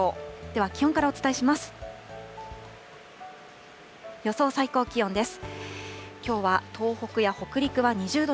では気温からお伝えします。